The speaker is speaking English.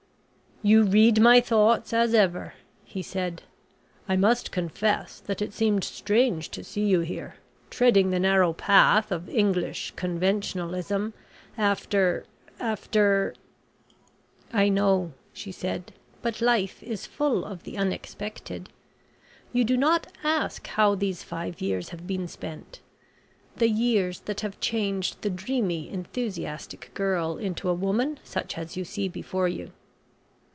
"You read my thoughts, as ever," he said. "I must confess that it seemed strange to see you here, treading the narrow path of English conventionalism, after after " "I know," she said. "But life is full of the unexpected. You do not ask how these five years have been spent. The years that have changed the dreamy enthusiastic girl into a woman such as you see before you."